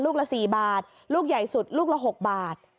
ลูกละ๔บาทลูกใหญ่สุดลูกละ๖บาท